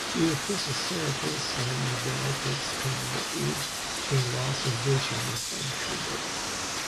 Both episcleritis and uveitis can lead to loss of vision if untreated.